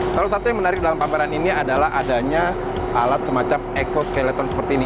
salah satu yang menarik dalam pameran ini adalah adanya alat semacam exo skeleton seperti ini